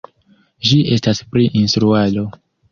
Ĝi estas pri instruado.